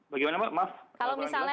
bagaimana mbak maaf